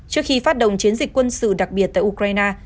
trước khi phát động chiến dịch quân sự đặc biệt tại ukraine